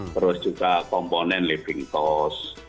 terus juga komponen living cost